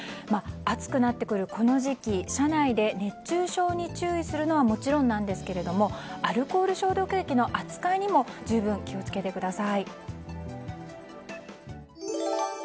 熱くなってくるこの時期、車内で熱中症に注意するのはもちろんなんですがアルコール消毒液の扱いにも十分気を付けてください。